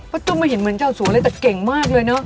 จุ้มไม่เห็นเหมือนเจ้าสัวเลยแต่เก่งมากเลยเนอะ